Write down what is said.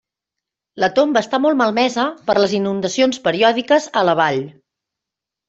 La tomba està molt malmesa per les inundacions periòdiques a la Vall.